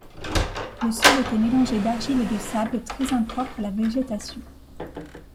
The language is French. Le sol était mélangé d’argile et de sable très impropre à la végétation.